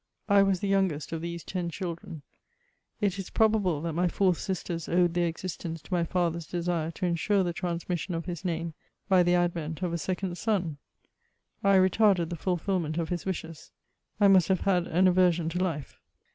I was the youngest of these ten children. It is probable that my four sisters owed their existence to my father's desire to ensure the transmissicm of his name by the advent of a second son. I retarded the fulfilment of his wishes: I must have had an aversion to life.